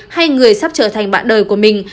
hay người sắp trở thành bạn đời của mình